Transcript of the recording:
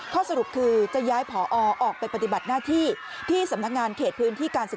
ข้อสรุปคือจะย้ายผอออกไปปฏิบัติหน้าที่